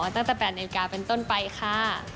ตั้งแต่๘นาฬิกาเป็นต้นไปค่ะ